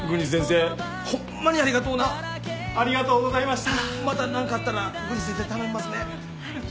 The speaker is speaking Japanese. またなんかあったら郡司先生頼みますね。